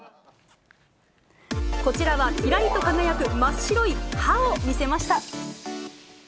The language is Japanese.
こちらは、きらりと輝く真っ白い歯を見せました。